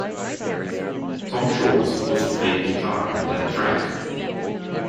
Tom Scholz also played guitar on that track.